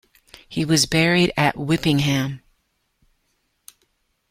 He was buried at Whippingham.